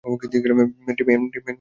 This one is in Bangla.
ডেমিয়েন, এরকম করো না!